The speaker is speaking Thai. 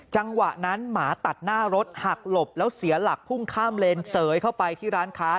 จังหวะนั้นหมาตัดหน้ารถหักหลบแล้วเสียหลักพุ่งข้ามเลนเสยเข้าไปที่ร้านค้า